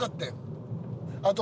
あと。